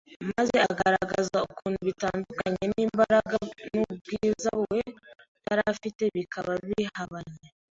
maze agaragaza ukuntu bitandukanye n’imbaraga n’ubwiza we yari afite bikaba bihabanye